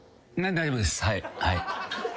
大丈夫です。